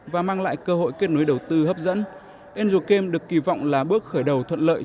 và mang lại cơ hội kết nối đầu tư hấp dẫn angel camp được kỳ vọng là bước khởi đầu thuận lợi